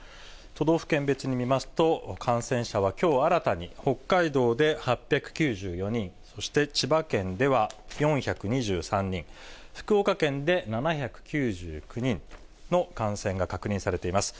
都道府県別に見ますと、感染者はきょう新たに北海道で８９４人、そして千葉県では４２３人、福岡県で７９９人の感染が確認されています。